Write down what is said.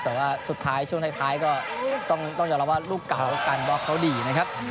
แต่ว่าสุดท้ายช่วงท้ายก็ต้องยอมรับว่าลูกเก่าการบล็อกเขาดีนะครับ